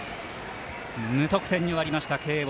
無得点に終わりました、慶応。